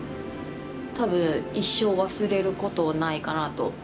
多分一生忘れることないかなと。